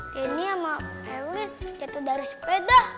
denny sama evelyn jatuh dari sepeda